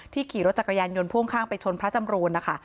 ขี่รถจักรยานยนต์พ่วงข้างไปชนพระจำรูนนะคะ